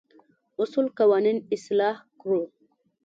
اصول قوانين اصلاح کړو.